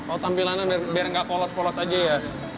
oh tampilannya biar nggak polos polos aja ya